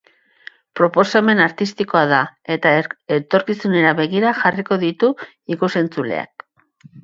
Proposamen artistikoa da eta etorkizunera begira jarriko ditu ikus-entzuleak.